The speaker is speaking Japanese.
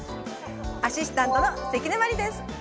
アシスタントの関根麻里です。